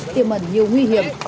tiêm ẩn nhiều nguy hiểm